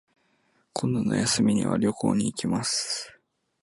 今度の休みには旅行に行きます